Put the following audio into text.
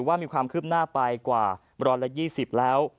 ถือว่ามีความคืบหน้าไปกว่าร้อนละ๒๐แล้ว